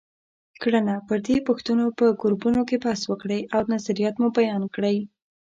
کړنه: پر دې پوښتنو په ګروپونو کې بحث وکړئ او نظریات مو بیان کړئ.